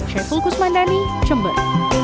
syekh fulkus mandani jember